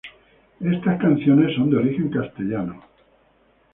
Estas canciones son de origen castellano.